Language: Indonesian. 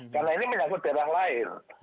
karena ini menyangkut daerah lain